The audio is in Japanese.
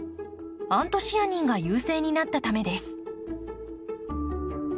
アントシアニンが優勢になったためです。